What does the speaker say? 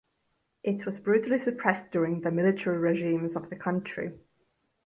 It was brutally suppressed during the military regimes of the country.